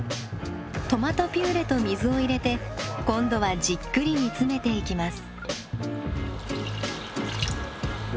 トマトピューレと水を入れて今度はじっくり煮詰めていきます。